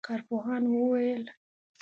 کارپوهانو وویل